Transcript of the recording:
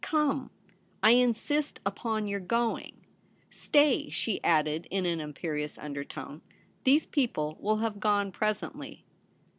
Come, I insist upon your going. Stay,' she added in an im perious undertone. ' These people will have gone presently.'